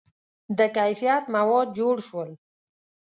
• د کیفیت مواد جوړ شول.